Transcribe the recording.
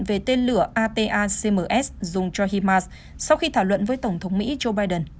về tên lửa ata cms dùng cho himas sau khi thảo luận với tổng thống mỹ joe biden